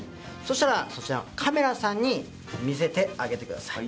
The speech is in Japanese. したらそちらのカメラさんに見せてあげてください